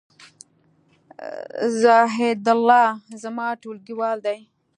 زاهیدالله زما ټولګیوال دی